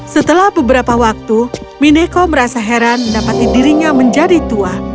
setelah beberapa waktu mineko merasa heran mendapati dirinya menjadi tua